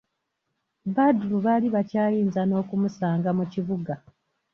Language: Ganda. Badru baali bakyayinza n'okumusanga mu kibuga.